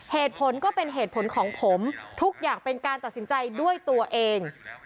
เหตุผลก็เป็นเหตุผลของผมทุกอย่างเป็นการตัดสินใจด้วยตัวเอง